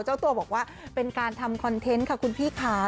เจ้าตัวบอกว่าเป็นการทำคอนเทนต์ค่ะคุณพี่ค่ะ